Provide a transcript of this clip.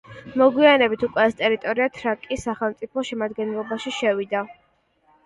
მოგვიანებით უკვე ეს ტერიტორია თრაკიის სახელმწიფოს შემადგენლობაში შევიდა.